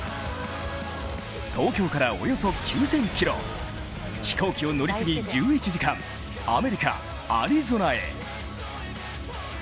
東京からおよそ９０００ｋｍ、飛行機を乗り継ぎ１１時間アメリカ・アリゾナへ。